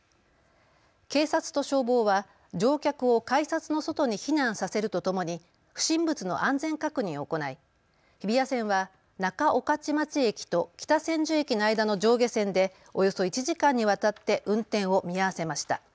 警察と消防は乗客を改札の外に避難させるとともに不審物の安全確認を行い日比谷線は仲御徒町駅と北千住駅の間の上下線でおよそ１時間にわたって運転を見合わせました。